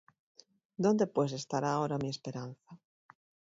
¿Dónde pues estará ahora mi esperanza?